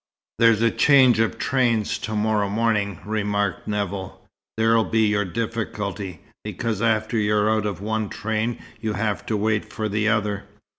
"There's a change of trains, to morrow morning," remarked Nevill. "There'll be your difficulty, because after you're out of one train you have to wait for the other.